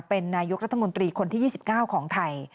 เป็นนายกรัฐมนตรีคนที่๒๙ของไทย